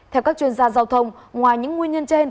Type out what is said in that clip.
theo các chuyên gia giao thông ngoài những nguyên nhân trên